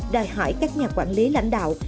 đòi hỏi các nhà quản lý lãnh đạo